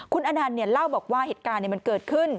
คุณอนันต์เล่าบอกว่าเหตุการณ์มันเกิดขึ้น